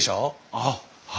ああはい。